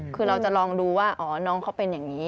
คือเราจะลองดูว่าอ๋อน้องเขาเป็นอย่างนี้